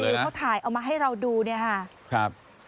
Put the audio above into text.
ที่หน่วยซิลเขาถ่ายเอามาให้เราดูเนี่ยฮะ